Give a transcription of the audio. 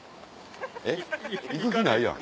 えっ行く気ないやん。